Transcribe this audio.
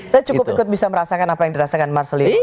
saya cukup ikut bisa merasakan apa yang dirasakan marceli